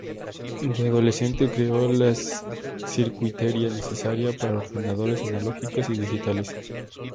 De adolescente creó la circuitería necesaria para ordenadores analógicos y digitales.